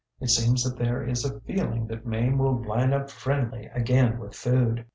It seems that there is a feeling that Mame will line up friendly again with food.